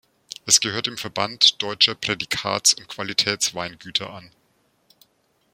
Es gehört dem Verband Deutscher Prädikats- und Qualitätsweingüter an.